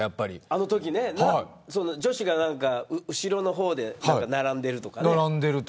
あのときね、女子が後ろの方で並んでるとか。